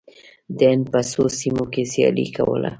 د هند په څو سیمو کې سیالي کوله.